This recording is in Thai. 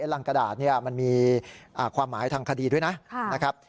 รังกระดาษมันมีความหมายทางคดีด้วยนะครับ